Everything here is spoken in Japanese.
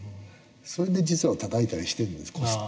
それで実はたたいたりしてるんですこすったり。